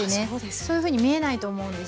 そういうふうに見えないと思うんですよ。